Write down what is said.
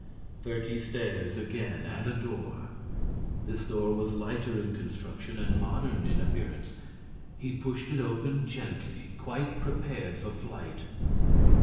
Thirty stairs again and a door. This door was lighter in construction and modern in appearance. He pushed it open gently, quite prepared for flight.